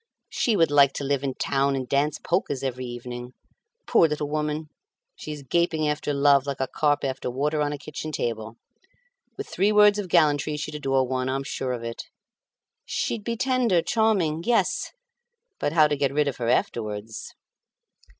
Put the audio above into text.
She would like to live in town and dance polkas every evening. Poor little woman! She is gaping after love like a carp after water on a kitchen table. With three words of gallantry she'd adore one, I'm sure of it. She'd be tender, charming. Yes; but how to get rid of her afterwards?"